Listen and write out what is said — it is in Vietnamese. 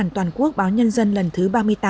bóng bàn toàn quốc báo nhân dân lần thứ ba mươi tám